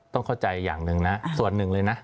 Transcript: ต้องเข้าใจอย่างหนึ่งนะส่วนหนึ่งเลยนะ